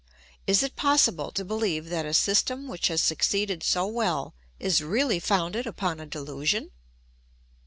Is it possible to beheve that a system which has succeeded so well is really founded upon a delusion